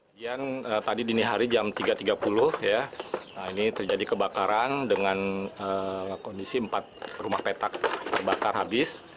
kejadian tadi dini hari jam tiga tiga puluh ya ini terjadi kebakaran dengan kondisi empat rumah petak terbakar habis